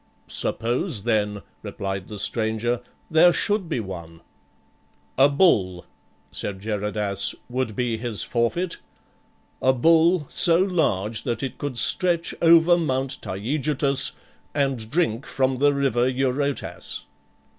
"Suppose, then," replied the stranger, "there should be one." "A bull," said Geradas, " would be his forfeit, a bull so large that it could stretch over Mount Taygetus and drink from the river Eurotas.""